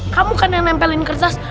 kamu kan yang nempelin kertas